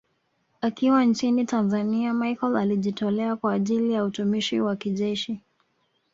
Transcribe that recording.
Akiwa nchini Tanzania Machel alijitolea kwa ajili ya utumishi wa kijeshi